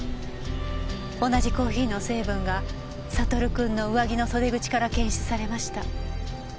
同じコーヒーの成分がサトル君の上着の袖口から検出されました。